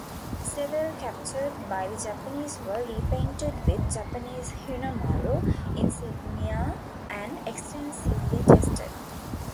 Several captured by the Japanese were repainted with Japanese "Hinomaru" insignia and extensively tested.